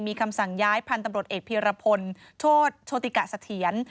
มีคำสั่งย้ายพันธุ์ตำรวจเอกพีรพลโชธโชติกะเสถียร